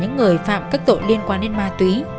những người phạm các tội liên quan đến ma túy